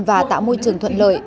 và tạo môi trường thuận lợi